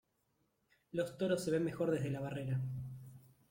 Los toros se ven mejor desde la barrera.